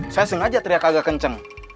saya sengaja teriak agak kencang